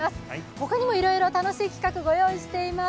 他にもいろいろ楽しい企画ご用意しています。